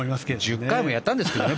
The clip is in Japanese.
１０回もやったんですけどね